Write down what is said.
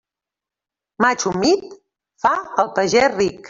Maig humit, fa el pagès ric.